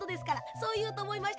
そういうとおもいました。